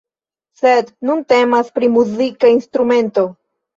Sed nun temas pri muzika instrumento.